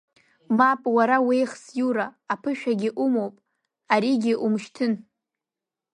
Мап, уара уеихс, Иура, аԥышәагьы умоуп, аригьы умышьҭын.